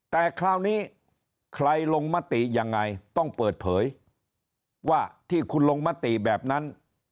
แต่คราวนี้ใครลงมติยังไงต้องเปิดเผยว่าที่คุณลงมติแบบนั้น